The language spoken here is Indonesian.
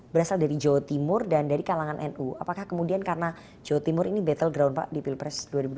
berasal dari jawa timur dan dari kalangan nu apakah kemudian karena jawa timur ini battle ground pak di pilpres dua ribu dua puluh